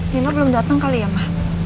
nino belum datang kali ya ma